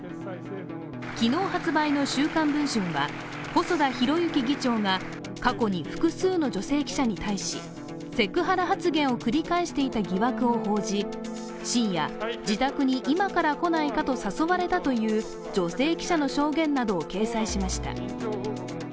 昨日発売の「週刊文春」は細田博之議長が過去に複数の女性記者に対し、セクハラ発言を繰り返していた疑惑を報じ、深夜、自宅に今から来ないかと誘われたという女性記者の証言などを掲載しました。